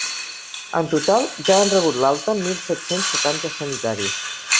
En total, ja han rebut l’alta mil set-cents setanta sanitaris.